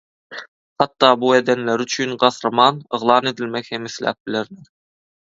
Hatda bu edenleri üçin gahryman yglan edilmek hem isläp bilerler.